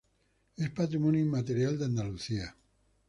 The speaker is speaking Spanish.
Es Patrimonio Inmaterial de Andalucía.